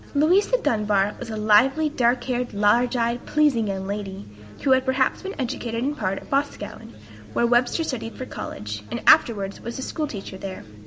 Louisa Dunbar was a lively, dark haired, large eyed, pleasing young lady, who had perhaps been educated in part at Boscawen, where Webster studied for college, and afterwards was a school teacher there.